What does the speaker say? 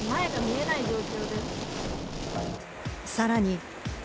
さらに。